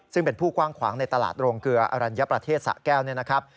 ซึ่งเป็นผู้กว้างขวางในตลาดโรงเกลืออรัญญประเทศสะแก้วเนี่ยนะครับ